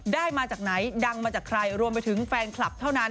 มาจากไหนดังมาจากใครรวมไปถึงแฟนคลับเท่านั้น